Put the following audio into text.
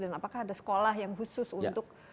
dan apakah ada sekolah yang khusus untuk mengajarkan